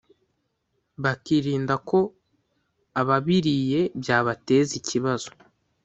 bakirinda ko ababiriye byabateza ikibazo